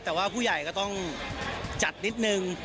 แต่ว่าผู้ใหญ่ก็ต้องจัดนิดนึง